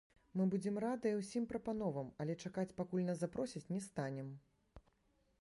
Мы будзем радыя ўсім прапановам, але чакаць пакуль нас запросяць не станем.